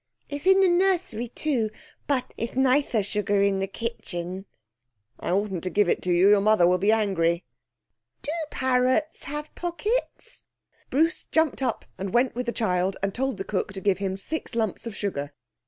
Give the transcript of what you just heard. It's in the nursery, too, but it's nicer sugar in the kitchen.' 'I oughtn't to give it you. Your mother will be angry.' 'Do parrots have pockets?' Bruce jumped up and went with the child, and told the cook to give him six lumps of sugar.